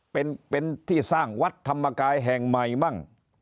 เป็นที่สร้างวัดธรรมกายแห่งใหม่มั่ง